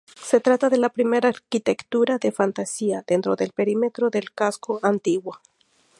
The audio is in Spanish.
Se trata de la primera arquitectura de "fantasía", dentro del perímetro del casco antiguo.